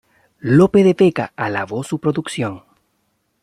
Lope de Vega alabó su producción.